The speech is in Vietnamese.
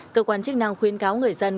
cơ quan chức năng khuyến cáo người dân